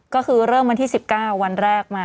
ก็คือเริ่มวันที่๑๙วันแรกมา